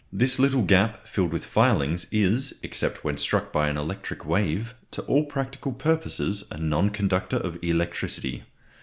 This little gap filled with filings is, except when struck by an electric wave, to all practical purposes a non conductor of electricity.